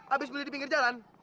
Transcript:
habis beli di pinggir jalan